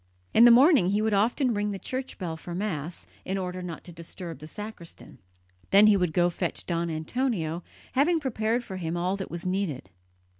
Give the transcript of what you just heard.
In the morning he would often ring the church bell for Mass, in order not to disturb the sacristan. Then he would go to fetch Don Antonio, having prepared for him all that was needed.